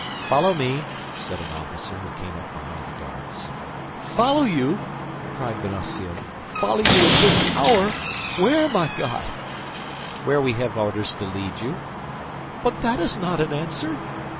"Follow me," said an officer, who came up behind the guards. "Follow you!" cried Bonacieux, "follow you at this hour! Where, my God?" "Where we have orders to lead you." "But that is not an answer."